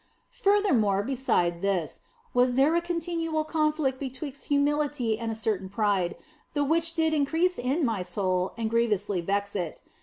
Furthermore, beside this, was there a continual con flict betwixt humility and a certain pride, the which did increase in my soul and grievously vex it.